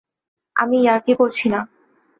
আমি ইয়ার্কি করছি না।